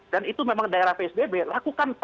dan itu memang daerah psbb lakukan